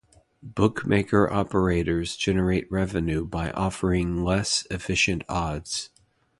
Bookmaker operators generate revenue by offering less efficient odds.